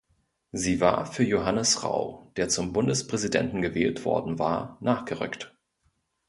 Sie war für Johannes Rau, der zum Bundespräsidenten gewählt worden war, nachgerückt.